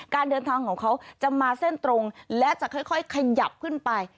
การเดินทางของเขาจะมาเส้นตรงและจะค่อยขยับขึ้นไป